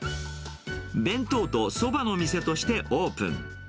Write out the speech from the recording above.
弁当とそばの店としてオープン。